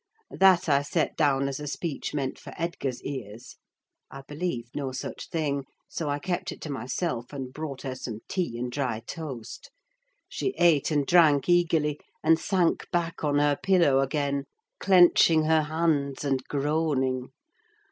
That I set down as a speech meant for Edgar's ears; I believed no such thing, so I kept it to myself and brought her some tea and dry toast. She ate and drank eagerly, and sank back on her pillow again, clenching her hands and groaning.